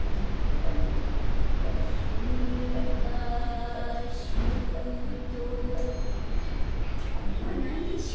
「しゅんーかーしゅーとー」ってこれはないでしょ。